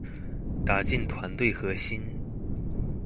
打進團體核心